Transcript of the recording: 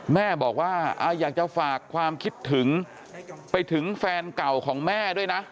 แม่บอกว่าอยากจะฝากความคิดถึงไปถึงแฟนเก่าของแม่ด้วยนะ